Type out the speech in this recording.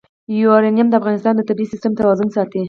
یورانیم د افغانستان د طبعي سیسټم توازن ساتي.